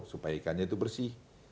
supaya ikannya itu bersih